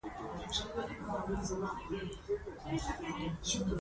پرانيستو اقتصادي بنسټونو جوړېدو ته یې لار هواروله.